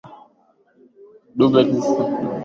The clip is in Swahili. Dube alizuru nchi nyingi na kuimba kwenye jukwaa moja